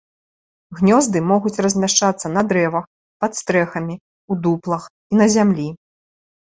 Гнёзды могуць размяшчацца на дрэвах, пад стрэхамі, у дуплах і на зямлі.